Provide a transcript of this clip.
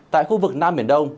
tại khu vực nam biển đông